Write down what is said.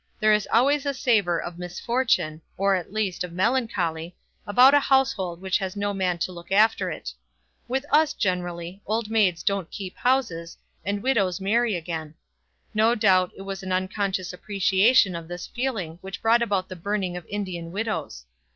There is always a savour of misfortune, or, at least, of melancholy, about a household which has no man to look after it. With us, generally, old maids don't keep houses, and widows marry again. No doubt it was an unconscious appreciation of this feeling which brought about the burning of Indian widows.